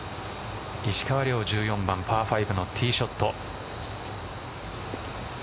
石川遼１４番パー５のティーショット。